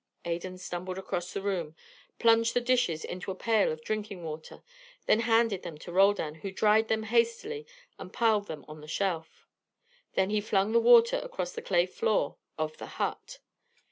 Adan stumbled across the room, plunged the dishes into a pail of drinking water, then handed them to Roldan, who dried them hastily and piled them on the shelf. Then he flung the water across the clay floor of the hut.